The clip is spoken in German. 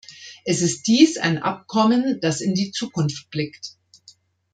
Es ist dies ein Abkommen, das in die Zukunft blickt.